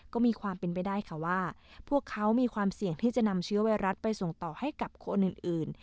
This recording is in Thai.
ก็มีความเป็นไปได้ค่ะว่าพวกเขามีความเสี่ยงที่จะนำเชื้อไวรัสไปส่งต่อให้กับคนอื่น